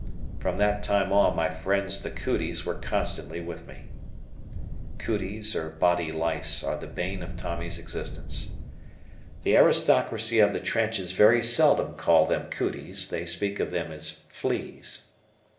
From that time on my friends the "cooties" were constantly with me. "Cooties," or body lice, are the bane of Tommy's existence. The aristocracy of the trenches very seldom call them "cooties," they speak of them as fleas.